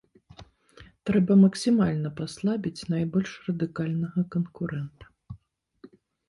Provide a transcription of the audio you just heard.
Трэба максімальна паслабіць найбольш радыкальнага канкурэнта.